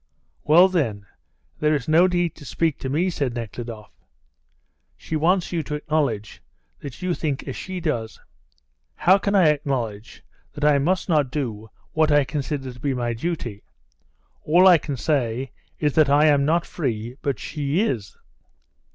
"Well, then, there is no need to speak to me," said Nekhludoff. "She wants you to acknowledge that you think as she does." "How can I acknowledge that I must not do what I consider to be my duty? All I can say is that I am not free, but she is."